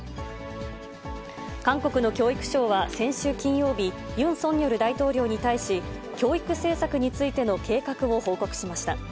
韓国の教育省は先週金曜日、ユン・ソンニョル大統領に対し、教育政策についての計画を報告しました。